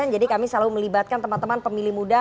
jadi kami selalu melibatkan teman teman pemilih muda